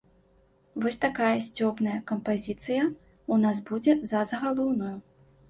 Вось такая сцёбная кампазіцыя ў нас будзе за загалоўную.